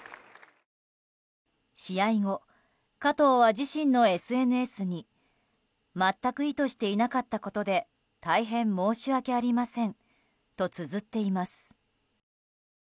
試合後、加藤は自身のＳＮＳに全く意図していなかったことで大変申し訳ありませんとつづっています。